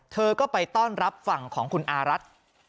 เธอก็ไปต้อนรับฝั่งของคุณอารัฐ